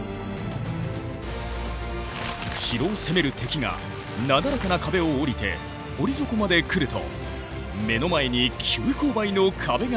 城を攻める敵がなだらかな壁をおりて堀底まで来ると目の前に急勾配の壁が立ちはだかる。